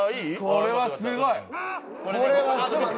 「これはすごい！」